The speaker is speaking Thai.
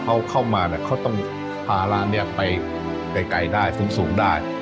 เขาเข้ามาเขาต้องภาระไปไกลได้สูงได้